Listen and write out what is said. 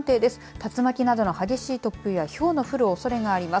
竜巻などの激しい突風やひょうの降るおそれがあります。